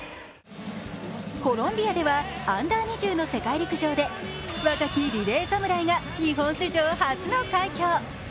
コロンビアではＵ２０の世界陸上で若きリレー侍が日本史上初の快挙。